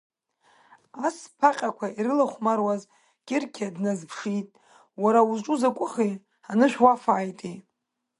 Ас ԥаҟьақәа ирылахәмаруаз Кәыркьа дназԥшит, уара узҿу закәыхи, анышә уафааитеи…